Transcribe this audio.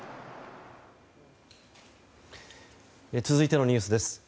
続いてのニュースです。